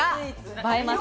映えます。